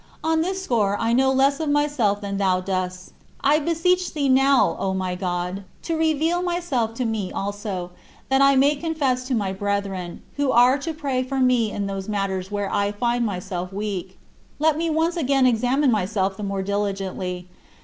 On this score I know less of myself than thou dost. I beseech thee now, O my God, to reveal myself to me also, that I may confess to my brethren, who are to pray for me in those matters where I find myself weak. Let me once again examine myself the more diligently.